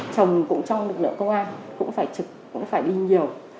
chồng cũng trong lực lượng công an cũng phải trực cũng phải đi nhiều